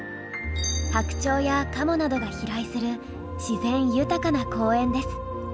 白鳥やカモなどが飛来する自然豊かな公園です。